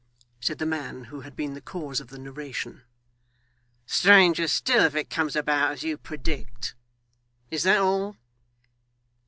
said the man who had been the cause of the narration. 'Stranger still if it comes about as you predict. Is that all?